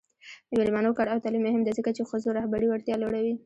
د میرمنو کار او تعلیم مهم دی ځکه چې ښځو رهبري وړتیا لوړوي